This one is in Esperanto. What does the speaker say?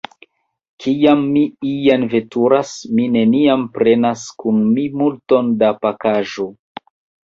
Kiam mi ien veturas, mi neniam prenas kun mi multon da pakaĵo.